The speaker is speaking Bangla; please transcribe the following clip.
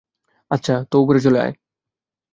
আচ্ছা, তো উপরে চলে আয়।